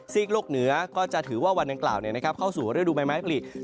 ซีกลกเหนือก็จะถือว่าวันดังกล่าวเข้าสู่ฤดูบ่ายไม้บริสุทธิ์